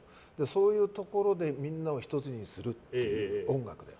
そういうところでみんなを１つにする音楽で。